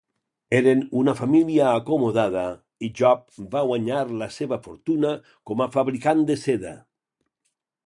Eren una família acomodada i Job va guanyar la seva fortuna com a fabricant de seda.